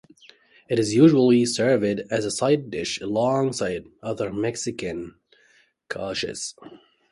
It is usually served as a side dish alongside other Mexican cuisine.